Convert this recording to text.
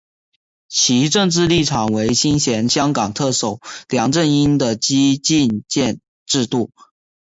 其政治立场为亲前香港特首梁振英的激进建制派。